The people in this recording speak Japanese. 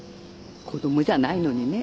子供じゃないのにね